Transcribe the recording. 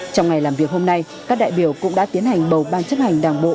trong ngày làm việc hôm nay các đại biểu cũng đã tiến hành bầu ban chấp hành đảng bộ